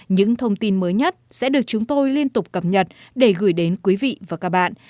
những thông tin mới nhất sẽ được chúng tôi liên tục cập nhật để gửi đến quý vị và các bạn